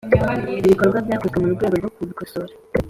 Ibikorwa byakozwe mu rwego rwo kubikosora